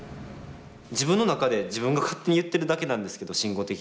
自分の中で自分が勝手に言ってるだけなんですけど慎吾的には。